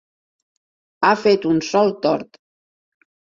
Ha fet un solc tort.